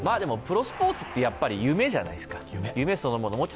プロスポーツって、やっぱり夢じゃないですか、夢そのもの。